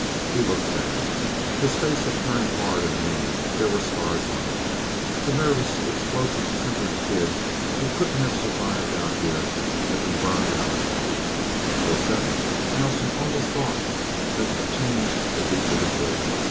He looked bad. His face had turned hard and lean. There were scars on it. The nervous, explosive tempered kid, who couldn't have survived out here, had been burned out of him. For a second, Nelsen almost thought that the change could be for the good.